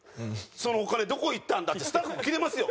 「そのお金どこ行ったんだ？」ってスタッフにキレますよ。